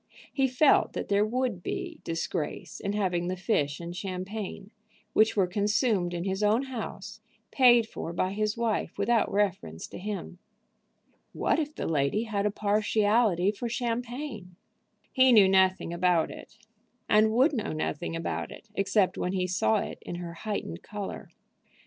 He felt that there would be disgrace in having the fish and champagne, which were consumed in his own house, paid for by his wife without reference to him. What if the lady had a partiality for champagne? He knew nothing about it, and would know nothing about it, except when he saw it in her heightened color.